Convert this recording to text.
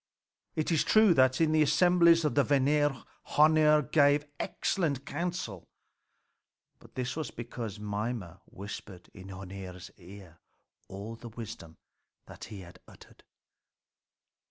It is true that in the assemblies of the Vanir Hœnir gave excellent counsel. But this was because Mimer whispered in Hœnir's ear all the wisdom that he uttered.